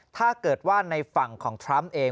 ถ้าเกิดว่าในฝั่งของทรัมป์เอง